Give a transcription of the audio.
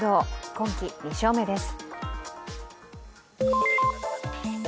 今季２勝目です。